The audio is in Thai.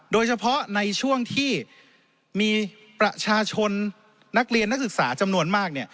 โดยเฉพาะในช่วงที่มีประชาชนนักเรียนนักศึกษาจำนวนมาก